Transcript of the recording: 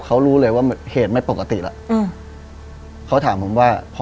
เขารู้เลยว่าเหตุไม่ปกติแล้ว